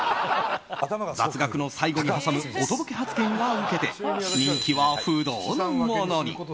雑学の最後に挟むおとぼけ発言がウケて人気は不動のものに。